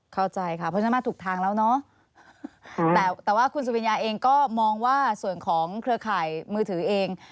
เข้าใจค่ะเพราะฉะนั้นมาถูกทางแล้วเนอะแต่ว่าคุณสุวิญญาเองก็มองว่าส่วนของเครือข่ายมือถือเอง